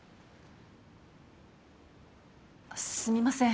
すみません。